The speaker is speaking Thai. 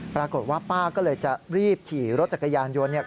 ปรากฏว่าป้าก็เลยจะรีบขี่รถจักรยานยนต์เนี่ย